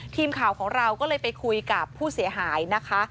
ทีมข่าวของเราก็เลยไปคุยกับผู้เสียหายนะคะ